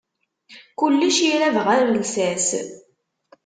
Kullec irab ɣar lsas.